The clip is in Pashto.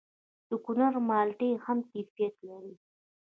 د کونړ مالټې هم کیفیت لري.